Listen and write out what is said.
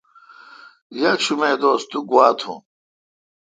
یکشم اے° دوس تو گوا تھون۔